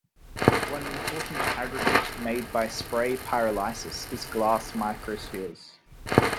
One important aggregate made by spray pyrolysis is glass microspheres.